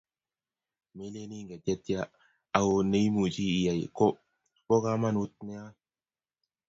melen ingen chetyaa, aku neimuchi iyai ko bo komonut noe